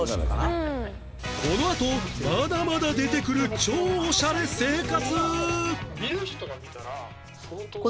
このあとまだまだ出てくる超オシャレ生活！